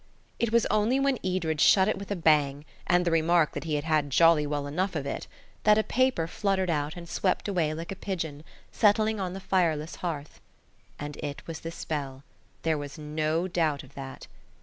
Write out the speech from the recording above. It was only when Edred shut it with a bang and the remark that he had had jolly well enough of it that a paper fluttered out and swept away like a pigeon, settling on the fireless hearth. And it was the spell. There was no doubt of that.